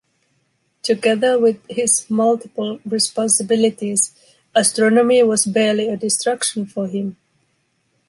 Together with his multiple responsibilities, astronomy was barely a distraction for him.